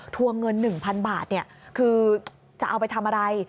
วงเงิน๑๐๐๐บาทคือจะเอาไปทำอะไร